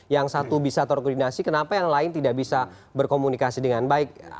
yang satu bisa terkoordinasi kenapa yang lain tidak bisa berkomunikasi dengan baik